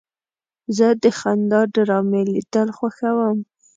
زه د خندا ډرامې لیدل خوښوم.